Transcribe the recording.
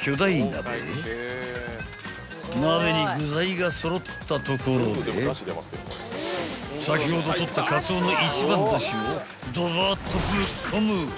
［鍋に具材が揃ったところで先ほど取ったカツオの一番だしをドバーッとぶっ込む！］